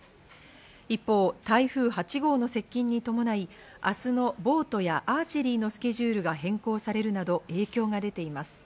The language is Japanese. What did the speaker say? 一方、台風８号の接近に伴い、明日のボートやアーチェリーのスケジュールが変更されるなど影響が出ています。